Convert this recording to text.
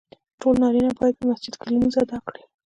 ټولو نارینه باید په مسجد کې لمونځ ادا کړي .